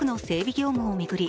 業務を巡り